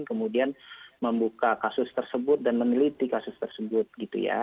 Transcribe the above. kemudian membuka kasus tersebut dan meneliti kasus tersebut gitu ya